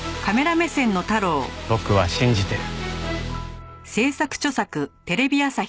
僕は信じてる。